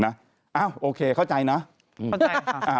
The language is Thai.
ครับโอเคเข้าใจเนอะ